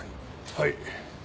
はい。